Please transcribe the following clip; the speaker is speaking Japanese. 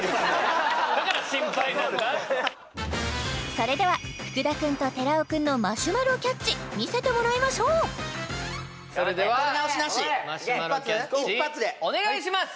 それでは福田君と寺尾君のマシュマロキャッチ見せてもらいましょうそれではマシュマロキャッチお願いします！